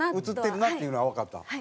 映ってるなっていうのはわかった？